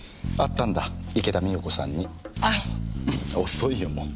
遅いよもう。